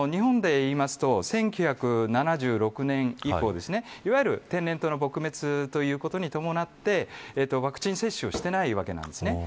例えば日本でいいますと１９７６年以降いわゆる、天然痘の撲滅ということに伴ってワクチン接種をしていないわけなんです。